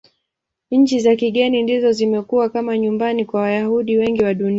Nchi za kigeni ndizo zimekuwa kama nyumbani kwa Wayahudi wengi wa Dunia.